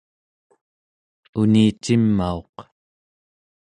unicimauq